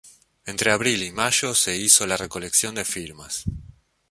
Entre abril y mayo se hizo la recolección de firmas.